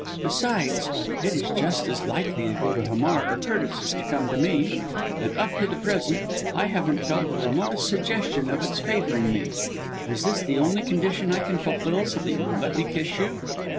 Besides, it is just as likely to go to Hamar or Curtis as to come to me; and up to the present I haven't felt the remotest suggestion of its favouring me. Is this the only condition I can fulfil, so that you will let me kiss you?"